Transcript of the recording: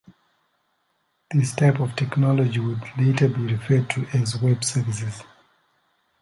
This type of technology would later be referred to as "web services".